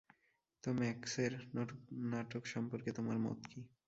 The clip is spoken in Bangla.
তো, ম্যাক্সের নতুন নাটক সম্পর্কে তোমার মত কি?